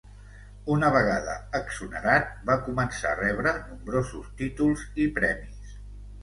Una vegada exonerat, va començar a rebre nombrosos títols i premis.